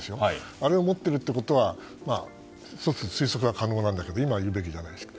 あれを持っているということは１つ、推測が可能なんだけど今言うべきじゃないですね。